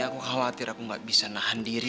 aku khawatir aku gak bisa nahan diri